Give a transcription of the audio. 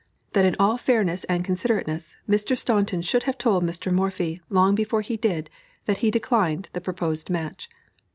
that in all fairness and considerateness Mr. Staunton should have told Mr. Morphy, long before he did, that he declined the proposed match.